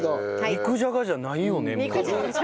肉じゃがじゃないよねもう。